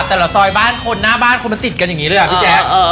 แต่ละซอยบ้านคนหน้าบ้านคนมันติดกันอย่างนี้เลยอ่ะพี่แจ๊ค